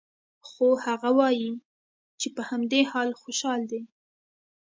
خو هغه وايي چې په همدې حال خوشحال دی